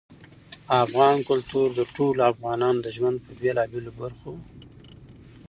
افغاني کلتور د ټولو افغانانو ژوند په بېلابېلو بڼو باندې اغېزمن کړی دی.